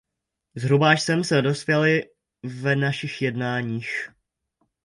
Zhruba až sem jsme dospěli v našich jednáních.